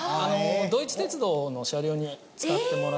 ドイツ鉄道の車両に使ってもらっております。